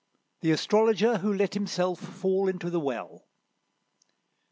THE ASTROLOGER WHO LET HIMSELF FALL INTO THE WELL.